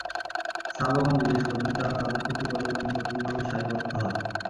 সাহাবাগণ জিজ্ঞেস করলেন, তারা তাদের প্রতিপালকের নিকট কিভাবে সারিবদ্ধ হয়?